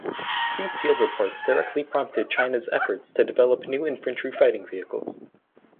These field reports directly prompted China’s effort to develop new infantry fighting vehicles.